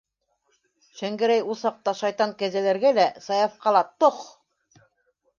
Шәңгәрәй ул саҡта шайтан кәзәләргә лә, Саяфҡа ла - тох!